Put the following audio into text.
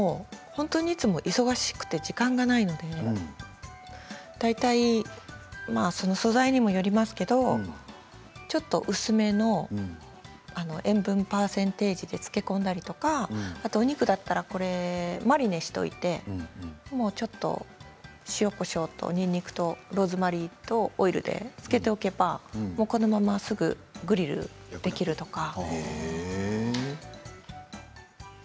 本当にいつも忙しくて時間がないので大体素材にもよりますけどちょっと薄めの塩分パーセンテージで漬け込んだりとか、お肉だったらマリネしておいてちょっと塩、こしょうとにんにくとローズマリーとオイルで漬けておけばこのまますぐグリルできるとか。